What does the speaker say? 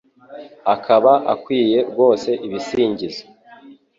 akaba akwiye rwose ibisingizo